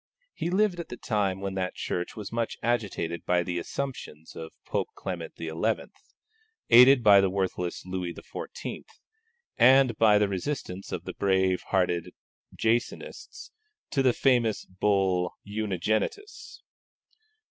He lived at the time when that Church was much agitated by the assumptions of Pope Clement XI., aided by the worthless Louis XIV., and by the resistance of the brave hearted Jansenists to the famous Bull Unigenitus.